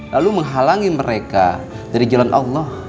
lalu menghalangi mereka dari jalan allah